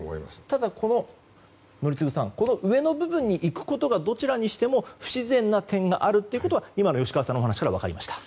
ただ、宜嗣さん上の部分に行くことがどちらにしても不自然な点があるということは今の吉川さんのお話から分かりました。